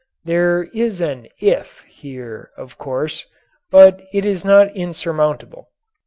There is an "if" here, of course. But it is not insurmountable.